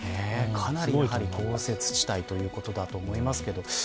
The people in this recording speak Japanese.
かなり豪雪地帯ということだと思いますけど。